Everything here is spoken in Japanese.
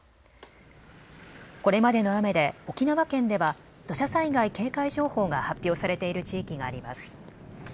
これまでの雨で沖縄県では土砂災害警戒情報が発表されている地域があります。